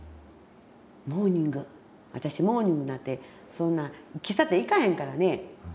私モーニングなんてそんな喫茶店行かへんからね。